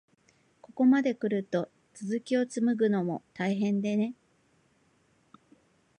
ここまでくると、続きをつむぐのも大変でね。